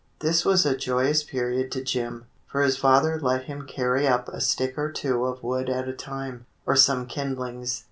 This was a joyous period to Jim, for his father let him carry up a stick or two of wood at a time, or some kindlings.